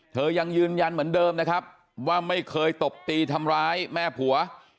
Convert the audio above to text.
ยังยืนยันเหมือนเดิมนะครับว่าไม่เคยตบตีทำร้ายแม่ผัว